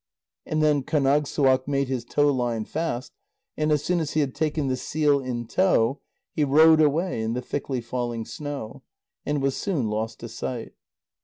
And then Kánagssuaq made his tow line fast, and as soon as he had taken the seal in tow, he rowed away in the thickly falling snow, and was soon lost to sight.